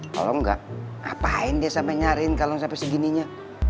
kalau enggak ngapain dia sampe nyariin kalung sampe segininya